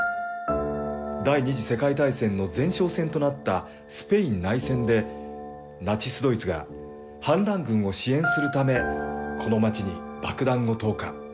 第２次世界大戦の前哨戦となったスペイン内戦で、ナチス・ドイツが反乱軍を支援するため、この町に爆弾を投下。